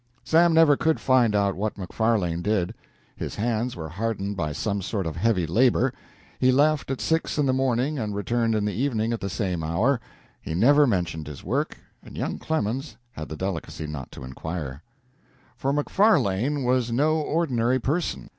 Sam never could find out what Macfarlane did. His hands were hardened by some sort of heavy labor; he left at six in the morning and returned in the evening at the same hour. He never mentioned his work, and young Clemens had the delicacy not to inquire. For Macfarlane was no ordinary person.